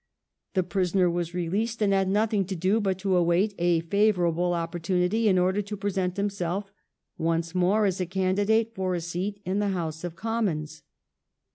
The prisoner was released, and had nothing to do but to await a favourable opportunity in order to present himself once more as a candidate for a seat in the House of Commons.